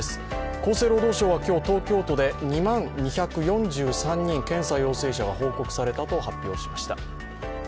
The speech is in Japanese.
厚生労働省は今日、東京都で２万２４３人検査陽性者が報告されたと発表しました。